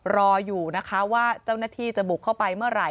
รออยู่นะคะว่าเจ้าหน้าที่จะบุกเข้าไปเมื่อไหร